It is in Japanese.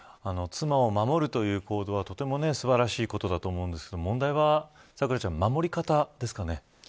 妻を守るという行動はとても素晴らしいことだと思うんですけど問題は、守り方ですかね。